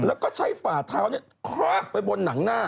เอาเท้าไปบนหนังหน้า